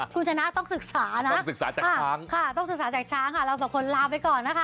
คุณชนะต้องศึกษาทุกคนลาไปก่อนนะคะ